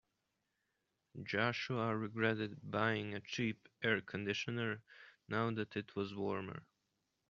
Joshua regretted buying a cheap air conditioner now that it was warmer.